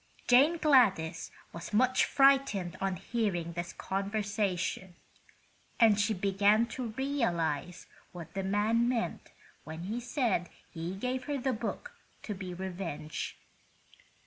Jane Gladys was much frightened on hearing this conversation, and she began to realize what the man meant when he said he gave her the book to be revenged.